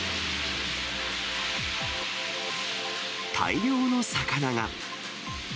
大量の魚が。